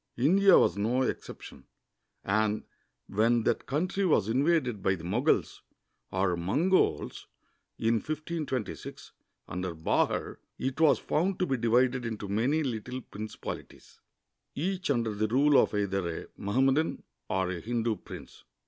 India was no exception, and when that country was invaded b}'' the Moguls, or Mongols, in 1526, under Bahar, it was found to be divided into many little principalities, each under the rule of either a Mohammedan or a Hindu prince.